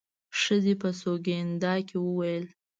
ښځې په سونګېدا کې وويل.